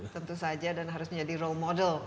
tentu saja dan harus menjadi role model